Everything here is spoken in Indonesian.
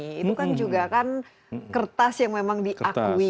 itu kan juga kan kertas yang memang diakui